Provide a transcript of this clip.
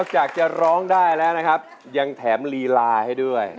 หากใครบ่อได้อีกเลย